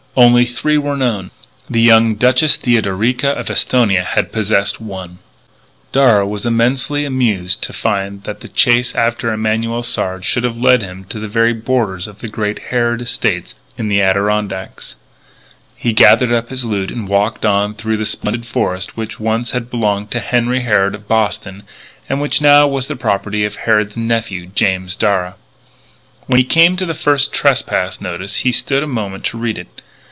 Only three were known. The young Duchess Theodorica of Esthonia had possessed one. Darragh was immensely amused to find that the chase after Emanuel Sard should have led him to the very borders of the great Harrod estate in the Adirondacks. He gathered up his loot and walked on through the splendid forest which once had belonged to Henry Harrod of Boston, and which now was the property of Harrod's nephew, James Darragh. When he came to the first trespass notice he stood a moment to read it.